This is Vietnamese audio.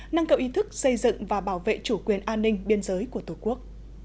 nâng cậu ý thức xây dựng và bảo vệ chủ quyền an ninh biên giới của tổ quốc